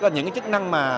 những chức năng mà